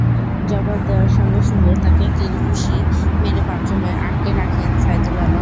জবাব দেওয়ার সঙ্গে সঙ্গে তাকে কিল-ঘুষি মেরে বাথরুমে আটকে রাখেন সাইদুল আলম।